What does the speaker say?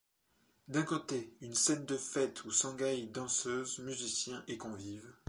D’un côté une scène de fête où s’égayent danseuses, musiciens et convives.